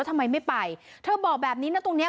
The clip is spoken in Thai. ทำไมไม่ไปเธอบอกแบบนี้นะตรงเนี้ย